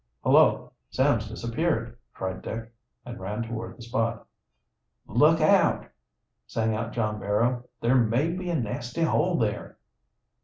"Hullo, Sam's disappeared!" cried Dick, and ran toward the spot. "Look out!" sang out John Barrow. "There may be a nasty hole there!"